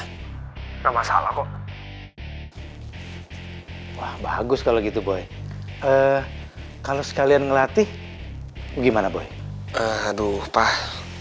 tidak masalah kok wah bagus kalau gitu boy kalau sekalian ngelatih gimana boy aduh pas